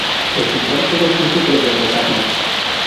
El central queda oculto tras el retablo.